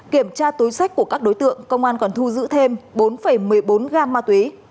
kiểm tra túi sách của các đối tượng công an còn thu giữ thêm bốn một mươi bốn gam ma túy